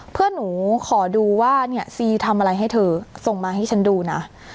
เพื่อนหนูขอดูว่าเนี่ยซีทำอะไรให้เธอส่งมาให้ฉันดูนะ